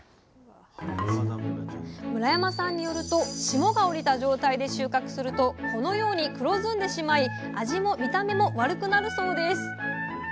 村山さんによると霜が降りた状態で収穫するとこのように黒ずんでしまい味も見た目も悪くなるそうです。